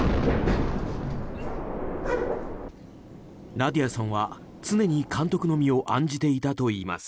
ナディアさんは常に監督の身を案じていたといいます。